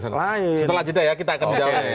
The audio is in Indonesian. setelah jeda ya kita akan jalan